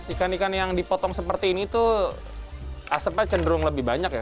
ikan ikan yang dipotong seperti ini tuh asapnya cenderung lebih banyak ya